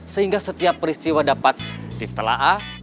sehingga setiap peristiwa dapat ditelaah